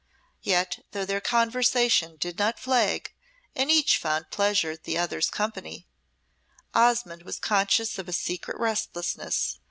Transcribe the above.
Yet though their conversation did not flag, and each found pleasure in the other's company, Osmonde was conscious of a secret restlessness.